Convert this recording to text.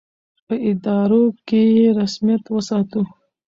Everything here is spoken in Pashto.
په ادارو کې یې رسمیت وساتو.